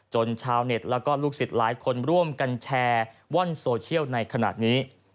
ชาวเน็ตแล้วก็ลูกศิษย์หลายคนร่วมกันแชร์ว่อนโซเชียลในขณะนี้